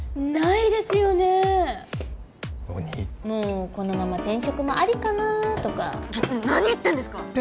もうこのまま転職もありかなとか何言ってんですか